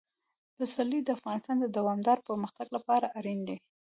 پسرلی د افغانستان د دوامداره پرمختګ لپاره اړین دي.